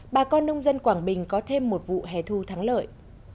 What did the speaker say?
bà con nông dân quảng bình có thêm một vụ hè thu thắng lợi